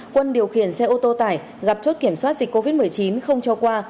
quân điều khiển xe ô tô tải gặp chốt kiểm soát dịch covid một mươi chín không cho qua